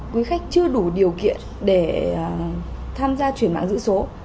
quý khách chưa đủ điều kiện để tham gia chuyển mạng giữ số